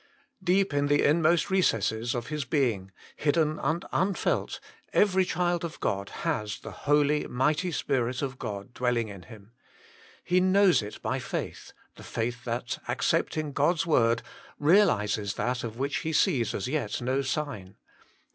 Deep in the inmost recesses of his being, hidden and unfelt, every child of God has the Holy, Mighty Spirit of God dwelling in him. He knows it by faith, the faith that, accepting God s word, realises that of which he sees as yet no sign.